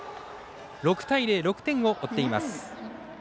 ６対０、６点を追っています。